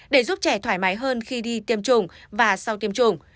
để giúp trẻ thoải mái hơn khi đi tiêm chủng và sau tiêm chủng